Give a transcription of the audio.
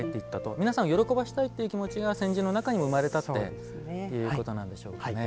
皆さんを喜ばせたいという気持ちが先人の中にも生まれたということなんでしょうね。